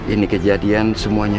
ini kejadian semuanya